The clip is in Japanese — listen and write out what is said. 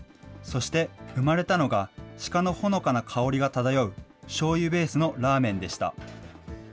そして、生まれたのが鹿のほのかな香りが漂う、しょうゆベースのラーメンでした。